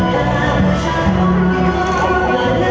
สวัสดี